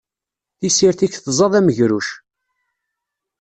Tissirt-ik tẓad amegruc.